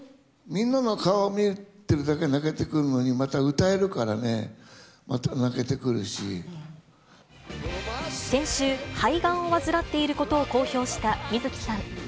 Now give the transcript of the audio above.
みんなの顔を見てるだけで泣けてくるのに、また歌えるからね、先週、肺がんを患っていることを公表した水木さん。